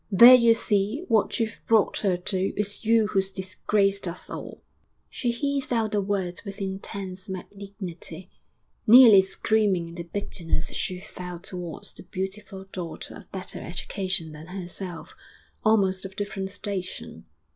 There you see what you've brought her to; it's you who's disgraced us all!' She hissed out the words with intense malignity, nearly screaming in the bitterness she felt towards the beautiful daughter of better education than herself, almost of different station.